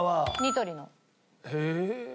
へえ。